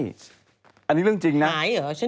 หายหรอฉันเคยเห็น